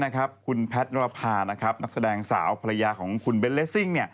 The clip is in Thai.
คุณแพทย์นรภานักแสดงสาวภรรยาของคุณเบนเลสซิ่ง